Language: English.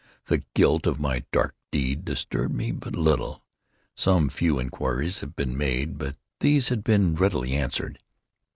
The guilt of my dark deed disturbed me but little. Some few inquiries had been made, but these had been readily answered.